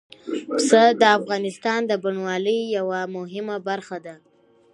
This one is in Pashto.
پسه د افغانستان د بڼوالۍ یوه مهمه برخه ده.